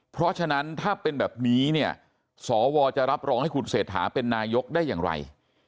เพราะฉะนั้นถ้าเป็นแบบนี้เนี่ยสวจะรับรองให้คุณเศรษฐาเป็นนายกได้อย่างไร